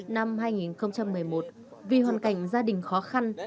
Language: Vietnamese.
năm hai nghìn một mươi một vì hoàn cảnh gia đình khó khăn